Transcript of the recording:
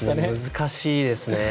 難しいですね。